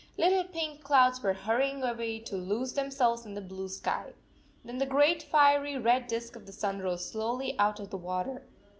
Little pink clouds were hurrying away to lose themselves in the blue sky. Then the great fiery red disk of the sun rose slowly out of the water